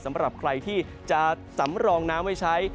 สำหรับใครที่จะสำรองน้ำไว้ใช้